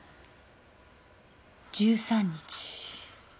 １３日。